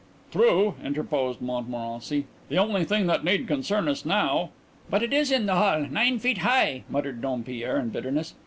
"True," interposed Montmorency. "The only thing that need concern us now " "But it is in the hall nine feet high," muttered Dompierre in bitterness.